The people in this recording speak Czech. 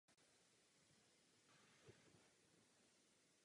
Byl to velice komplikovaný přesun.